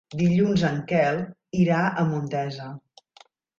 Dilluns en Quel irà a Montesa.